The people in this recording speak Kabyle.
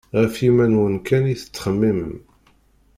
Γef yiman-nwen kan i tettxemmimem.